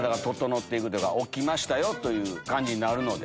起きましたよ！という感じになるので。